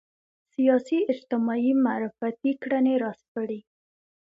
سیاسي اجتماعي معرفتي کړنې راسپړي